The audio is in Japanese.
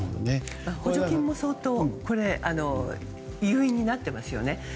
補助金も相当優位になっていますよね。